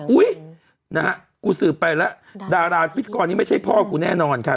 อุ๊ยนะฮะกูสืบไปแล้วดาราพิธีกรนี้ไม่ใช่พ่อกูแน่นอนค่ะ